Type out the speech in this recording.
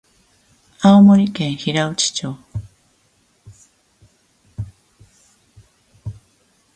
青森県平内町